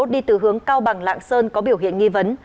đi từ hướng cao bằng lạng sơn có biểu hiện nghi vấn